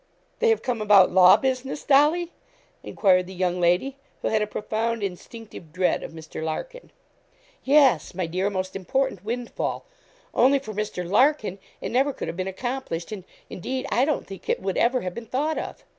'They have come about law business, Dolly!' enquired the young lady, who had a profound, instinctive dread of Mr. Larkin. 'Yes, my dear; a most important windfall. Only for Mr. Larkin, it never could have been accomplished, and, indeed, I don't think it would ever have been thought of.'